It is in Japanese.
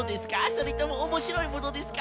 それともおもしろいものですか？